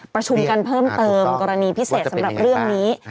ประชุมกันเพิ่มเติมกรณีพิเศษสำหรับเรื่องนี้